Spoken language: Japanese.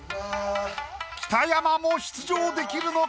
北山も出場できるのか？